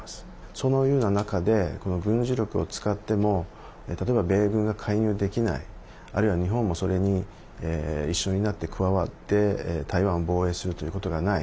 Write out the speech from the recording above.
そのような中で軍事力を使っても例えば米軍が介入できないあるいは日本もそれに一緒になって加わって台湾を防衛するということがない。